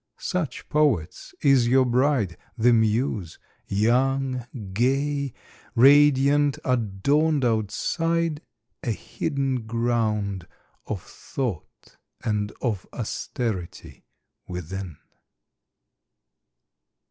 Such, poets, is your bride, the Muse! young, gay, Radiant, adorned outside; a hidden ground Of thought and of austerity within.